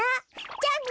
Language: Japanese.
じゃあね。